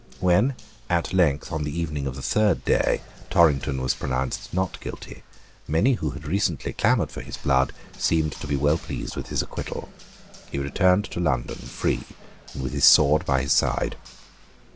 When at length, on the evening of the third day, Torrington was pronounced not guilty, many who had recently clamoured for his blood seemed to be well pleased with his acquittal. He returned to London free, and with his sword by his side.